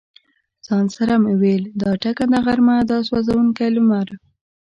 ځان سره مې ویل: دا ټکنده غرمه، دا سوزونکی لمر.